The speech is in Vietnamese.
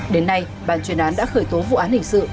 đến nay bàn chuyên án đã khởi tố vụ án hình sự